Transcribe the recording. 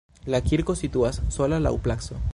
La kirko situas sola laŭ placo.